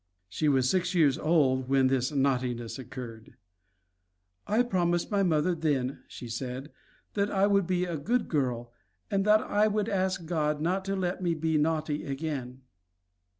She was six years old when this naughtiness occurred. "I promised my mother then," she said, "that I would be a good girl, and that I would ask God not to let me be naughty again."